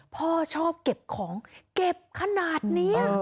พ่อชอบเก็บของเก็บขนาดนี้